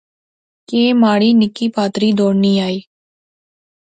کہ مہاڑی نکی پہاتری دوڑنی آئی